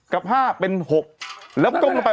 กับ๕เป็น๖แล้วก้มลงไป